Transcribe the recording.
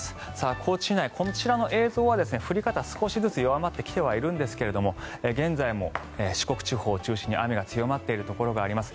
高知内、こちらの映像は降り方、少しずつ弱まってはきているんですが現在も四国地方を中心に雨が強まっているところがあります。